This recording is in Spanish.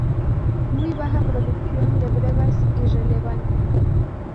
Muy baja producción de brevas, irrelevante.